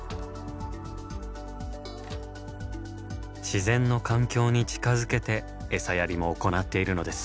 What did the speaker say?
自然の環境に近づけて餌やりも行っているのです。